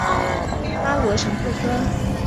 拉罗什富科。